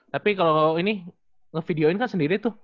tapi kalau ini ngevideoin kan sendiri tuh